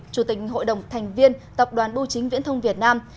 chủ tịch hội đồng thành viên tập đoàn bưu chính viễn thông việt nam